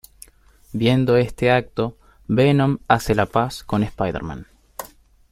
Viendo este acto, Venom hace la paz con Spider-Man.